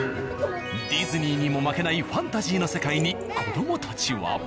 ディズニーにも負けないファンタジーの世界に子どもたちは。